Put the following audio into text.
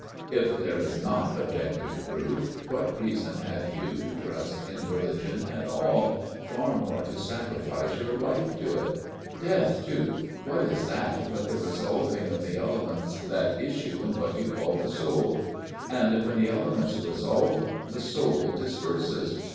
If there is not objective proof, what reason have you to trust in religion at all far more to sacrifice your life to it ?... Death, too what is that but the resolving of the ele ments that issue in what you call the soul ? And FATHER GIRDLESTONE'S TALE 113 when the elements resolve the soul disperses